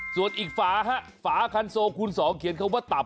ส่วนอีกฝาฮะฝาคันโซคูณ๒เขียนคำว่าตับ